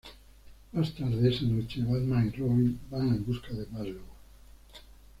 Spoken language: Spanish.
Más tarde esa noche, Batman y Robin van en búsqueda de Marlowe.